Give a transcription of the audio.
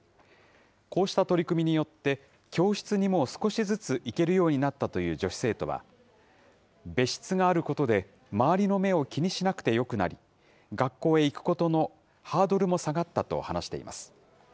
こうした取り組みによって、教室にも少しずつ行けるようになったという女子生徒は、別室があることで周りの目を気にしなくてよくなり、学校へ行くことのハードルも下がったと話しています。